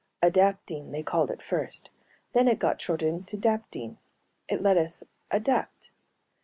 Adaptine, they called it first; then it got shortened to daptine. It let us adapt.